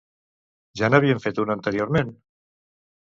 Ja n'havien fet una anteriorment?